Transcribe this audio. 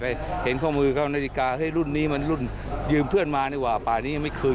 ไม่ไปคุยหรอกไปยุดคุยเคยรู้ไงเคยตัวแล้วเขาสั่งศาลขวาสายได้